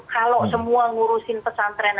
kalau semua ngurusin pesantren